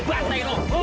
aku sebut namamu